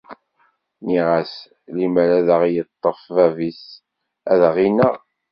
Nniɣ-as limmer ad aɣ-yeṭṭef bab-is, ad aɣ-ineɣ.